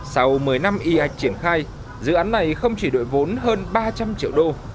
sau một mươi năm y ạch triển khai dự án này không chỉ đội vốn hơn ba trăm linh triệu đô